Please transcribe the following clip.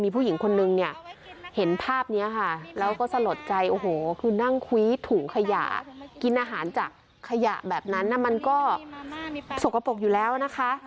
ผู้หญิงคนนึงเนี่ยเห็นภาพนี้ค่ะแล้วก็สลดใจโอ้โหคือนั่งคุยถุงขยะกินอาหารจากขยะแบบนั้นมันก็สกปรกอยู่แล้วนะคะ